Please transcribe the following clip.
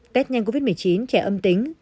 tết nhanh covid một mươi chín trẻ âm tính